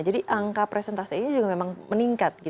jadi angka presentasinya juga memang meningkat